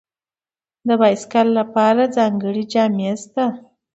د بایسکل لپاره ځانګړي جامې شته.